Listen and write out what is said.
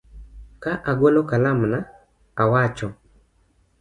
Ka agolo kalamna, awacho